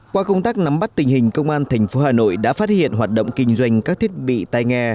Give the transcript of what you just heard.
qua công tác nắm bắt tình hình công an tp hà nội đã phát hiện hoạt động kinh doanh các thiết bị tay nghe